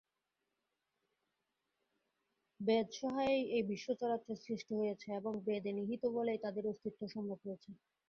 বেদসহায়েই এই বিশ্ব-চরাচর সৃষ্ট হয়েছে এবং বেদে নিহিত বলেই তাদের অস্তিত্ব সম্ভব হয়েছে।